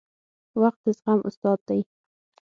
• وخت د زغم استاد دی.